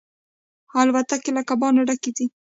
الوتکې له کبانو ډکې ځي.